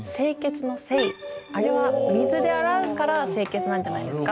あとあれは水で洗うから清潔なんじゃないんですか？